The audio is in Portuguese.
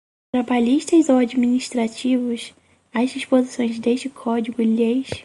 trabalhistas ou administrativos, as disposições deste Código lhes